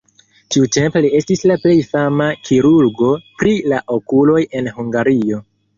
Tiutempe li estis la plej fama kirurgo pri la okuloj en Hungario.